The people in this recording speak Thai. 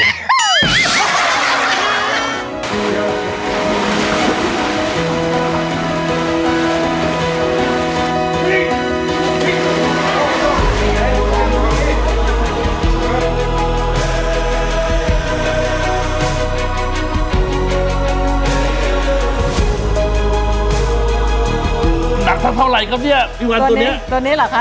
หนักเท่าไหร่ครับเนี่ยพี่วันตัวเนี้ยตัวนี้เหรอคะ